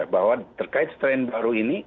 bahwa terkait strain baru ini